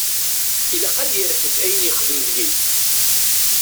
Ilaq ad yerfed ayen yexdem deg-i.